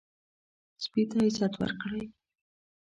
سپي ته عزت ورکړئ.